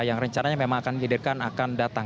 yang rencananya memang akan dihadirkan akan datang